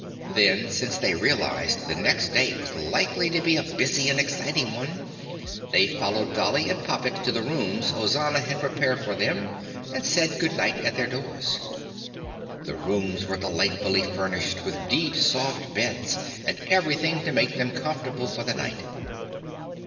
Then, since they realized the next day was likely to be a busy and exciting one, they followed Dolly and Poppet to the rooms Ozana had prepared for them and said good night at their doors. The rooms were delightfully furnished with deep, soft beds and everything to make them comfortable for the night.